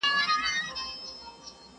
څارنوال سو په ژړا ویل بابا جانه.